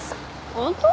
ホント？